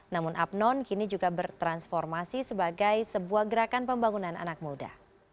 namun abnon kini juga bertransformasi sebagai sebuah gerakan pembangunan anak muda